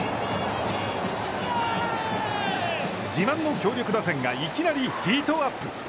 自慢の強力打線がいきなりヒートアップ。